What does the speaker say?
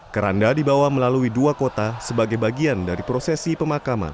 keranda dibawa melalui dua kota sebagai bagian dari prosesi pemakaman